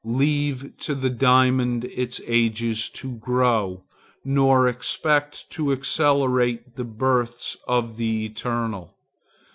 Leave to the diamond its ages to grow, nor expect to accelerate the births of the eternal.